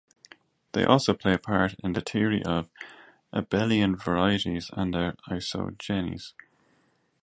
They also play a part in the theory of abelian varieties and their isogenies.